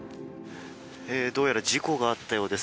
どうやら事故があったようです。